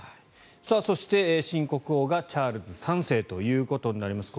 そして、新国王がチャールズ３世ということになります。